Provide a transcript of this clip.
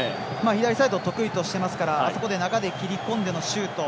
左サイドを得意としていますから中に切り込んでのシュート。